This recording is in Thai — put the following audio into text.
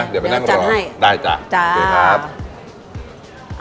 เดี๋ยวไปนั่งรอได้จ๊ะจ๊ะ